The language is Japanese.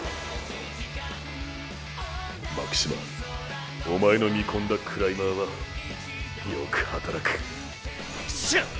巻島おまえの見込んだクライマーはよく働く！ショッ！